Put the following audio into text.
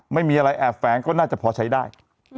ไม่มีอะไรแอบแฝงก็น่าจะพอใช้ได้